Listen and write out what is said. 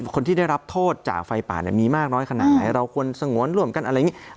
คนที่ได้รับโทษจากไฟป่ามีมากน้อยขนาดไหนเราควรสงวนร่วมกันอะไรอย่างนี้